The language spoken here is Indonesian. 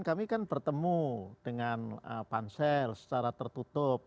kami kan bertemu dengan pansel secara tertutup